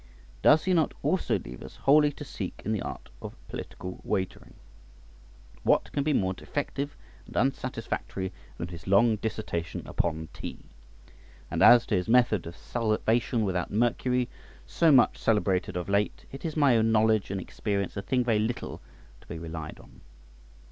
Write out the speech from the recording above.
Does he not also leave us wholly to seek in the art of political wagering? What can be more defective and unsatisfactory than his long dissertation upon tea? and as to his method of salivation without mercury, so much celebrated of late, it is to my own knowledge and experience a thing very little to be relied on.